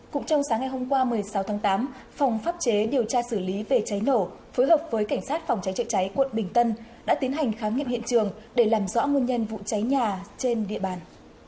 cũng trong sáng ngày hôm qua một mươi sáu tháng tám phòng pháp chế điều tra xử lý về cháy nổ phối hợp với cảnh sát phòng cháy chữa cháy quận bình tân đã tiến hành khám nghiệm hiện trường để làm rõ nguyên nhân vụ cháy nhà trên địa bàn